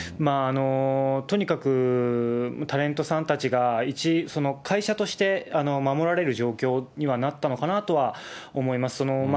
とにかくタレントさんたちが、一会社として守られる状況にはなったのかなとは思います。